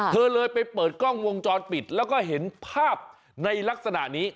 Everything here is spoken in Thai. เธอเลยไปเปิดกล้องวงจรปิดแล้วก็เห็นภาพในลักษณะนี้